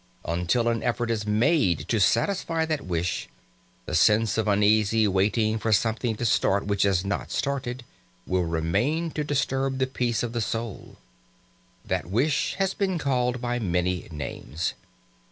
Until an effort is made to satisfy that wish, the sense of uneasy waiting for something to start which has not started will remain to disturb the peace of the soul. That wish has been called by many names.